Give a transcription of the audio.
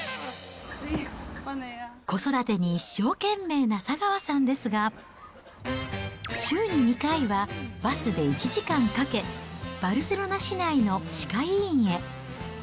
子育てに一生懸命な佐川さんですが、週に２回はバスで１時間かけ、バルセロナ市内の歯科医院へ。